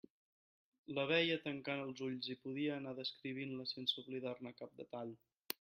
La veia tancant els ulls i podia anar descrivint-la sense oblidar-ne cap detall.